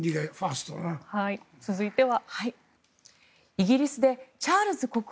続いては。